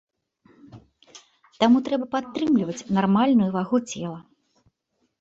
Таму трэба падтрымліваць нармальную вагу цела.